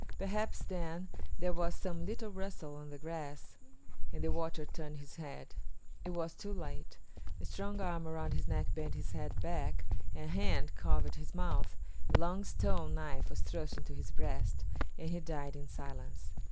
Perhaps then there was some little rustle of the grass, and the watcher turned his head. It was too late. A strong arm around his neck bent his head back, a hand covered his mouth, a long stone knife was thrust into his breast, and he died in silence.